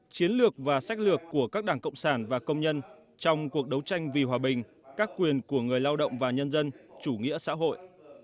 chiến lược và sách lược của các đảng cộng sản và công nhân trong cuộc đấu tranh vì hòa bình các quyền của người lao động và nhân dân chủ nghĩa xã hội